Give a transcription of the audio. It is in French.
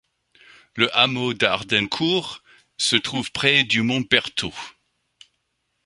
Le hameau d'Hardencourt se trouve près du Mont Berthault.